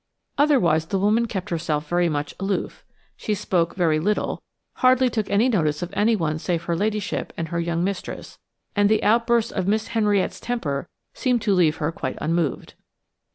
Otherwise the woman kept herself very much aloof; she spoke very little, hardly took any notice of anyone save of her ladyship and her young mistress, and the outbursts of Miss Henriette's temper seemed to leave her quite unmoved.